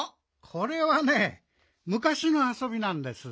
これはねむかしのあそびなんです。